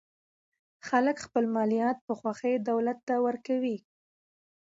خلک خپل مالیات په خوښۍ دولت ته ورکوي.